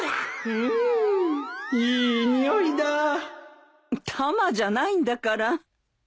うーん！いい匂いだタマじゃないんだから。